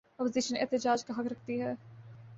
Opposition احتجاج کا حق رکھتی ہے۔